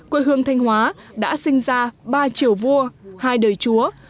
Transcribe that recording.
quê hương thanh hóa đã sinh ra ba triều vua hai đời chúa